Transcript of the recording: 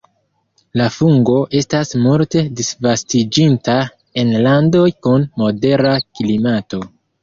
La fungo estas multe disvastiĝinta en landoj kun modera klimato.